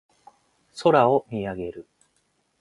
空を見上げる。